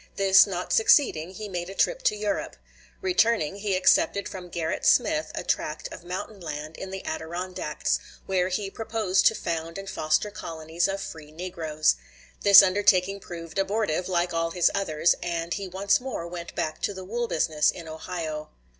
This not succeeding, he made a trip to Europe. Returning, he accepted from Gerrit Smith a tract of mountain land in the Adirondacks, where he proposed to found and foster colonies of free negroes. This undertaking proved abortive, like all his others, and he once more went back to the wool business in Ohio.